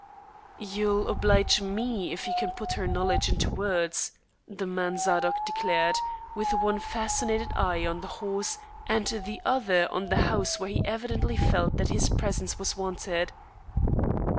"You'll oblige me if you can put her knowledge into words," the man Zadok declared, with one fascinated eye on the horse and the other on the house where he evidently felt that his presence was wanted.